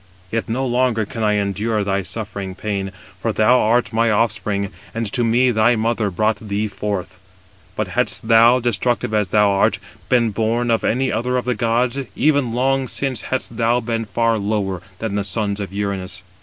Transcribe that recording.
Yet no longer can I endure thy suffering pain, for thou art my offspring, and to me thy mother brought thee forth. But hadst thou, destructive as thou art, been born of any other of the gods, even long since hadst thou been far lower than the sons of Uranus."